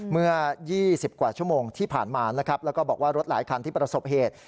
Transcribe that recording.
เมื่อ๒๐กว่าชั่วโมงที่ผ่านมานะครับแล้วก็บอกว่ารถหลายคันที่ประสบเหตุ